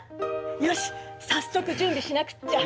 よし早速準備しなくっちゃ。